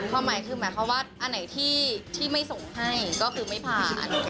ความหมายคือหมายความว่าอันไหนที่ไม่ส่งให้ก็คือไม่ผ่าน